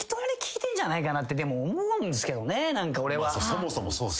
そもそもそうっす。